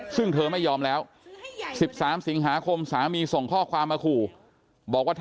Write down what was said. ซึ่งเธอไม่ยอมแล้ว๑๓สิงหาคมสามีส่งข้อความมาขู่บอกว่า